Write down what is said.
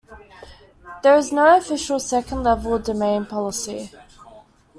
There is no official second-level domain policy.